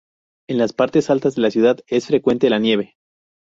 En las partes altas de la ciudad es frecuente la nieve.